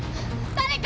誰か！